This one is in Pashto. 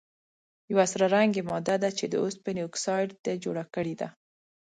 یوه سره رنګې ماده چې د اوسپنې اکسایډ ده جوړه کړي ده.